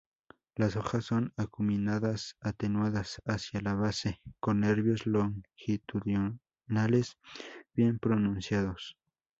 Las hojas son acuminadas, atenuadas hacia la base, con nervios longitudinales bien pronunciados.